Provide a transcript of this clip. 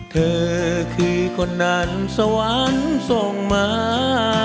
เธอคือคนนั้นสวรรค์ส่งมา